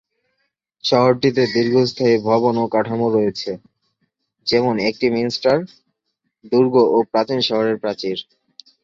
শহরটিতে দীর্ঘস্থায়ী ভবন ও কাঠামো রয়েছে, যেমন একটি মিনিস্টার, দুর্গ ও প্রাচীন শহরের প্রাচীর।